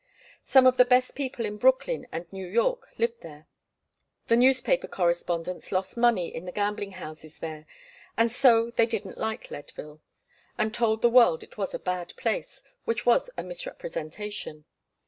Some of the best people of Brooklyn and New York lived there. The newspaper correspondents lost money in the gambling houses there, and so they didn't like Leadville, and told the world it was a bad place, which was a misrepresentation.